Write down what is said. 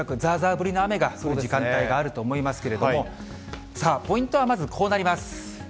降りの雨が降る時間帯があると思いますけれども、ポイントはまずこうなります。